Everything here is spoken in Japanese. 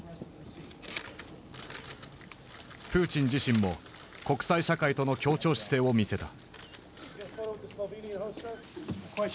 プーチン自身も国際社会との協調姿勢を見せた。